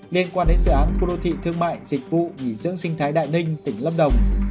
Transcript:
liên quan đến dự án khu đô thị thương mại dịch vụ nghỉ dưỡng sinh thái đại ninh tỉnh lâm đồng